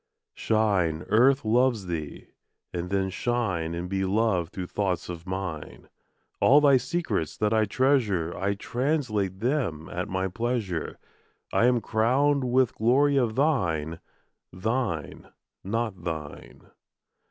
Shine, Earth loves thee! And then shine And be loved through thoughts of mine. All thy secrets that I treasure I translate them at my pleasure. I am crowned with glory of thine. Thine, not thine.